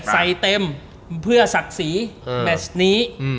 เต็มเพื่อศักดิ์ศรีแมชนี้